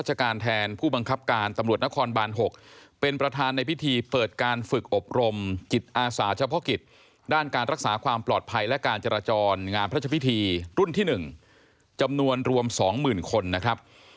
จิตอาสาเฉพาะกิจด้านการรักษาความปลอดภัยและการจราจรงานพระชพิธีรุ่นที่๑จำนวนรวม๒หมื่นคนนะครับ